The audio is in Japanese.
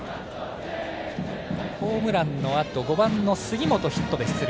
ホームランのあと５番の杉本、ヒットで出塁。